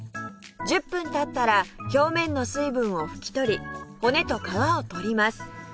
１０分経ったら表面の水分を拭き取り骨と皮を取ります